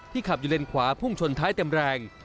ขับอยู่เลนขวาพุ่งชนท้ายเต็มแรง